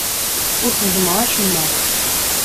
Ur tteẓẓmeɣ acemma.